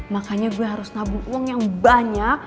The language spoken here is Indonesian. makanya gue harus nabung uang yang banyak